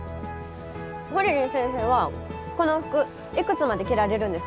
ほりりん先生はこの服いくつまで着られるんですか？